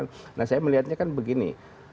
nah saya melihatnya kan begini